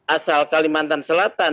asal kalimantan selatan